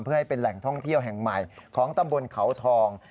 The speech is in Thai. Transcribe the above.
เพื่อให้เป็นแหล่งท่องเที่ยวแห่งใหม่ของตำบลเขาทอง